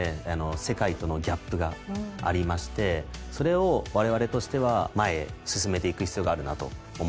世界とのギャップがありましてそれをわれわれとしては前へ進めていく必要があるなと思ってます。